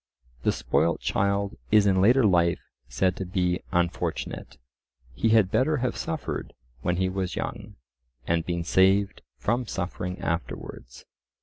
The spoilt child is in later life said to be unfortunate—he had better have suffered when he was young, and been saved from suffering afterwards.